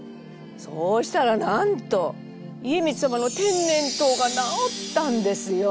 そうしたらなんと家光様の天然痘が治ったんですよ。